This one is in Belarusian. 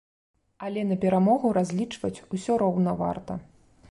Але на перамогу разлічваць усё роўна варта!